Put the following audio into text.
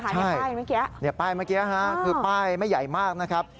ใช่ป้ายเมื่อกี้คือป้ายไม่ใหญ่มากนะครับ